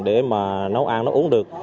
để mà nấu ăn nấu uống được